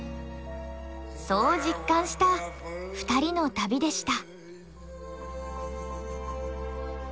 そう実感した２人の旅でした。